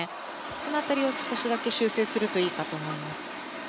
その辺りを修正するといいかと思います。